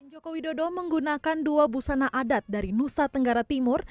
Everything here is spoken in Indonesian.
jokowi dodo menggunakan dua busana adat dari nusa tenggara timur